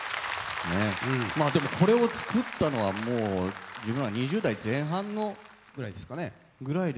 でもこれを作ったのは自分ら２０代前半ぐらいですよ。